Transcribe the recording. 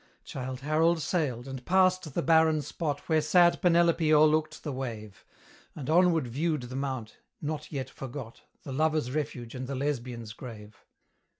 Childe Harold sailed, and passed the barren spot Where sad Penelope o'erlooked the wave; And onward viewed the mount, not yet forgot, The lover's refuge, and the Lesbian's grave.